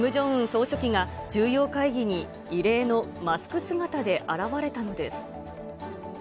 総書記が重要会議に、異例のマスク姿で現れたのです。